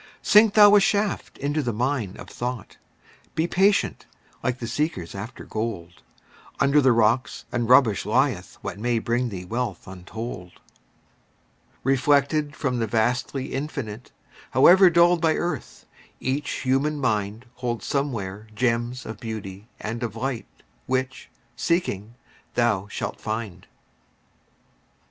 Sink thou a shaft into the mine of thought; Be patient, like the seekers after gold; Under the rocks and rubbish lieth what May bring thee wealth untold. Reflected from the vastly Infinite, However dulled by earth, each human mind Holds somewhere gems of beauty and of light Which, seeking, thou shalt find.